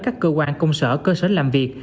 các cơ quan công sở cơ sở làm việc